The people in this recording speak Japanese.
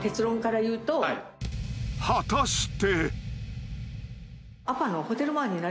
［果たして］